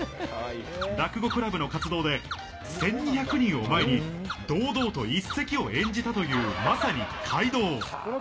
落語クラブの活動で、１２００人を前に堂々と一席を演じたという、まさに怪童。